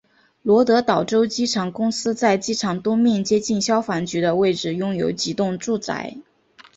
罗德岛州机场公司在机场东面接近消防局的位置拥有几幢住宅。